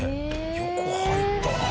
よく入ったな。